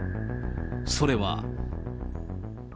それは。